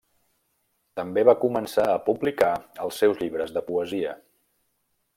També va començar a publicar els seus llibres de poesia.